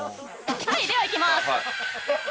はいではいきます。